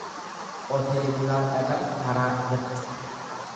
Qotee bulaa dhaga'a karaa irratti.